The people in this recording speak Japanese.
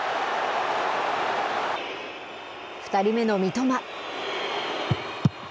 ２人目の三笘。